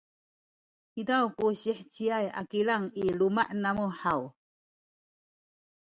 izaw ku siheciay a kilang i luma’ namu haw?